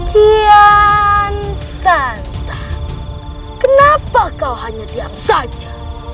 kian santa kenapa kau hanya diam saja